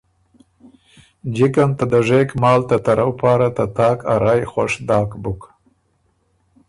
جِکه ن ته دژېک مال ته ترؤ پاره ته تاک ا رایٛ خؤش داک بُک۔